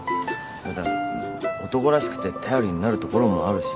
ただ男らしくて頼りになるところもあるし。